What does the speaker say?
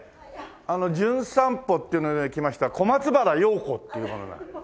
あの『じゅん散歩』っていうので来ました小松原庸子っていう者で。